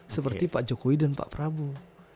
seperti pak jokowi dan pak prabowo